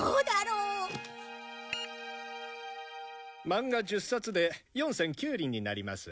漫画１０冊で４銭９厘になります。